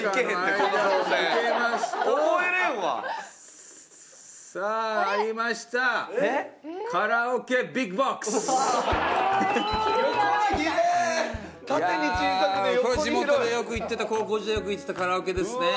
これは地元でよく行ってた高校時代よく行ってたカラオケですね。